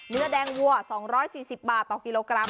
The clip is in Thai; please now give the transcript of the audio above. เนื้อแดงวัว๒๔๐บาทต่อกิโลกรัม